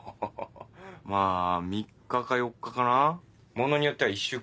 まぁ３日か４日かなものによっては１週間ぐらい。